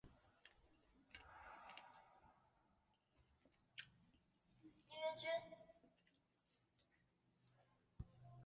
佩尔东伊斯是巴西米纳斯吉拉斯州的一个市镇。